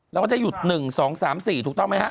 แล้วก็จะหยุด๑๒๓๔ถูกต้องไหมครับ